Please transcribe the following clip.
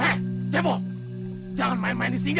eh cebo jangan main main disini